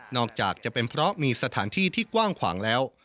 อกจากจะเป็นเพราะมีสถานที่ที่กว้างขวางแล้ว